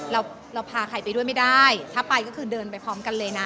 เราพาใครไปด้วยไม่ได้ถ้าไปก็คือเดินไปพร้อมกันเลยนะ